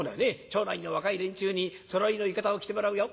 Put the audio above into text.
町内の若い連中にそろいの浴衣を着てもらうよ。